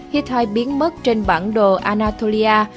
hittite biến mất trên bản đồ anatolia